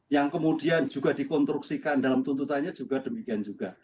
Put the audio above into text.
yang kemudian juga dikonstruksikan dalam tuntutannya juga demikian juga